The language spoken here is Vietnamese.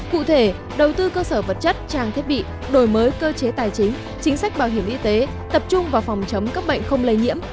cụ thể đầu tư cơ sở vật chất trang thiết bị đổi mới cơ chế tài chính chính sách bảo hiểm y tế tập trung vào phòng chống các bệnh không lây nhiễm